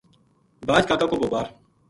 باج کاکا کو بوپار